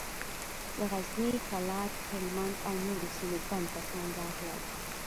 له غزني، کلات، هلمند او نورو سيمو ګڼ کسان راغلل.